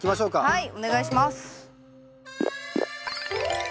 はいお願いします。